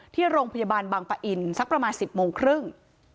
ที่โรงพยาบาลบางปะอินสักประมาณ๑๐โมงครึ่ง